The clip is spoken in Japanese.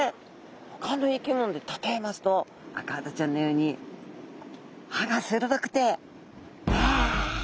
ほかの生き物で例えますとアカハタちゃんのように歯が鋭くてわわ！